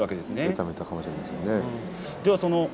痛めたかもしれませんね。